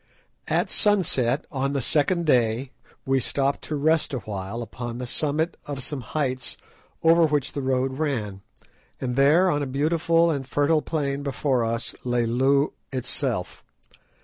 At sunset on the second day, we stopped to rest awhile upon the summit of some heights over which the road ran, and there on a beautiful and fertile plain before us lay Loo itself.